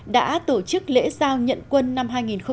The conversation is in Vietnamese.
đã tổ chức lễ giao nhận quân năm hai nghìn một mươi bảy